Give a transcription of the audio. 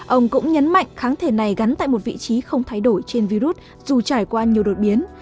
ông cũng nhấn mạnh kháng thể này gắn tại một vị trí không thay đổi trên virus dù trải qua nhiều đột biến